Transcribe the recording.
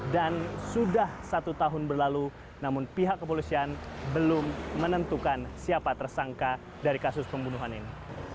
sudah satu tahun berlalu namun pihak kepolisian belum menentukan siapa tersangka dari kasus pembunuhan ini